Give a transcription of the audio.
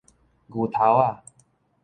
牛頭仔